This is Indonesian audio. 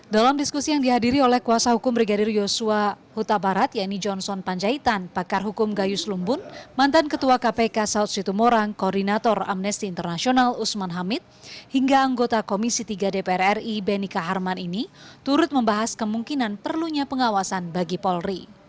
dalam diskusi yang dihadiri oleh kuasa hukum brigadir yosua huta barat yaitu johnson panjaitan pakar hukum gayus lumbun mantan ketua kpk saud situmorang koordinator amnesty international usman hamid hingga anggota komisi tiga dpr ri benika harman ini turut membahas kemungkinan perlunya pengawasan bagi polri